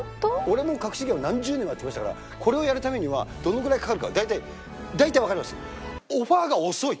俺も『かくし芸』を何十年もやってきましたからこれをやるためにはどのぐらいかかるか大体大体わかります。